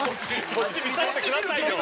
こっち見させてくださいよ。